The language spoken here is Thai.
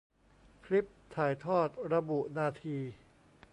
คลิปถ่ายทอด ระบุนาที